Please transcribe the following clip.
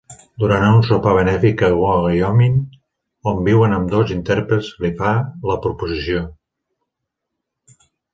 Durant un sopar benèfic a Wyoming, on viuen ambdós intèrprets, li fa la proposició.